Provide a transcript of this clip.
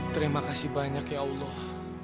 terima kasih banyak ya allah